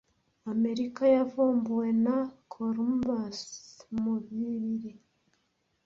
Amerika yavumbuwe na Columbus mu bibiri.